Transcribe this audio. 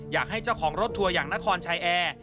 อยากให้เจ้าของรถทัวร์อย่างนครชายแอร์